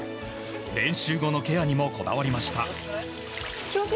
練習後のケアにもこだわりました。